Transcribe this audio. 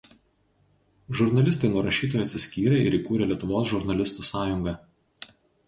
Žurnalistai nuo rašytojų atsiskyrė ir įkūrė Lietuvos žurnalistų sąjungą.